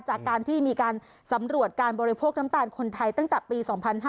จากการที่มีการสำรวจการบริโภคน้ำตาลคนไทยตั้งแต่ปี๒๕๕๙